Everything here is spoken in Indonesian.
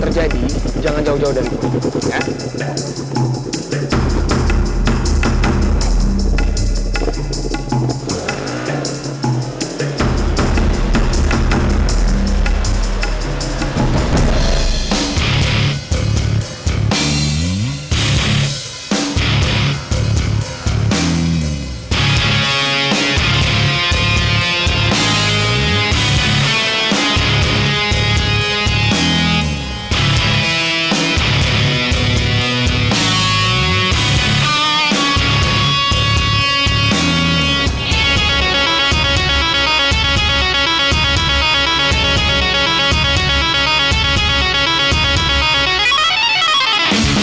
kalian harus gurung prayer